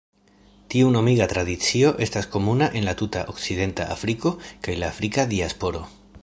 Tiu nomiga tradicio estas komuna en la tuta Okcidenta Afriko kaj la Afrika diasporo.